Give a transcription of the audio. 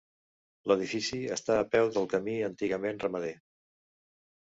L'edifici està a peu del camí antigament ramader.